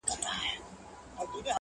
پر سجده سو قلندر ته په دعا سو!!